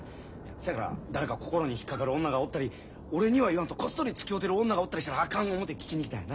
せやから誰か心に引っ掛かる女がおったり俺には言わんとこっそりつきおうてる女がおったりしたらあかん思て聞きに来たんや。